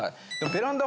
ベランダ